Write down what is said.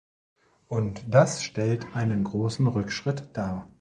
Und das stellt einen großen Rückschritt dar.